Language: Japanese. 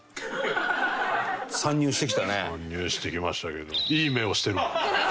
参入してきましたけど。